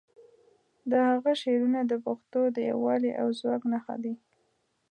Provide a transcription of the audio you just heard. د هغه شعرونه د پښتو د یووالي او ځواک نښه دي.